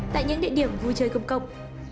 tại những địa điểm vui chơi công cộng